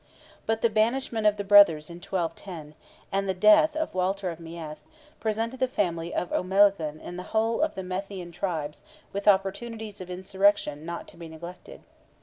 But the banishment of the brothers in 1210, and the death of Walter of Meath, presented the family of O'Melaghlin and the whole of the Methian tribes with opportunities of insurrection not to be neglected.